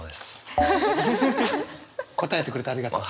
答えてくれてありがとう。